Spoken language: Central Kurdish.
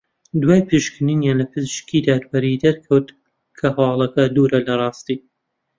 دوای پشکنینیان لە پزیشکی دادوەری دەرکەوت کە هەواڵەکە دوورە لە راستی